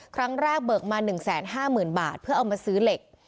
ครั้งแรกเบิกมา๑๕๐๐๐บาทเพื่อเอามาซื้อเหล็ก